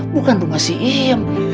bukan rumah si iyam